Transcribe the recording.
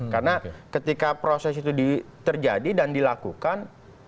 karena ketika proses itu terjadi dan dilakukan